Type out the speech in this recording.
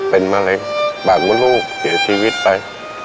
เป็นมากเลยปากมุ้นลูกเสียชีวิตไป